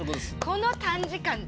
この短時間で。